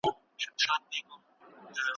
بازار د دې خبر له امله ولړزېد.